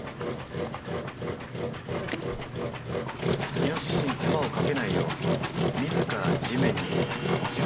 イノシシに手間をかけないよう自ら地面に落ちるんです。